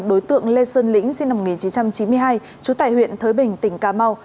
đối tượng lê sơn lĩnh sinh năm một nghìn chín trăm chín mươi hai trú tại huyện thới bình tỉnh cà mau